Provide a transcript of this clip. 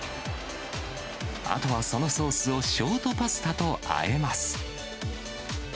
あとはそのソースをショートパスタとあえます。